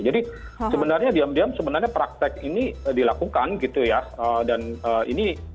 jadi sebenarnya diam diam sebenarnya praktek ini dilakukan gitu ya dan ini